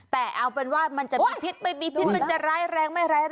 แต่เอาเป็นว่ามันจะมีพิษไม่มีพิษมันจะร้ายแรงไม่ร้ายแรง